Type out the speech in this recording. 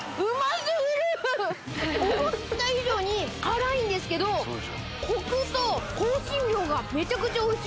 思った以上に辛いんですけどコクと香辛料がめちゃくちゃおいしい。